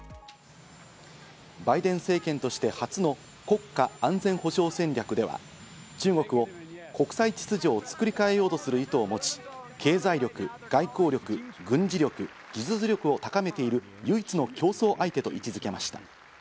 バイデン政権として初の国家安全保障戦略では、中国を、国際秩序を作り変えようとする意図を持ち、経済力、外交力、軍事力、技術力を高めている唯一の競争相手と位置付けました。